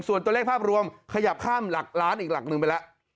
ส่วนตัวเลขภาพรวมขยับข้ามหลักล้านอีกหลักหนึ่งไปแล้ว